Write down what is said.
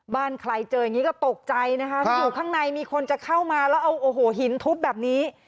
บ้านใครเจออย่างนี้ก็ตกใจนะคะอยู่ข้างในมีคนจะเข้ามาแล้วเอาโอ้โหหินทุบแบบนี้